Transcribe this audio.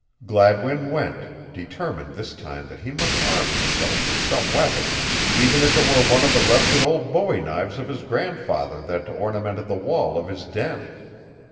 Gladwin went, determined this time that he must arm himself with some weapon, even if it were one of the rusted old bowie knives of his grandfather that ornamented the wall of his den.